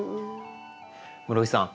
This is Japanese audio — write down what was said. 室井さん